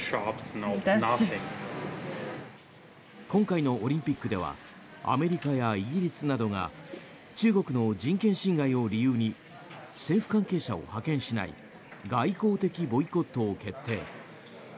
今回のオリンピックではアメリカやイギリスなどが中国の人権侵害を理由に政府関係者を派遣しない外交的ボイコットを決定。